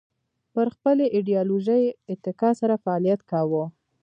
پر خپلې ایدیالوژۍ اتکا سره فعالیت کاوه